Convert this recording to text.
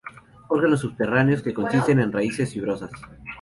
Órganos subterráneos que consiste en raíces fibrosas.